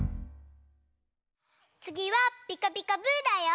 つぎは「ピカピカブ！」だよ。